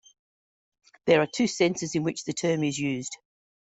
There are two senses in which the term is used.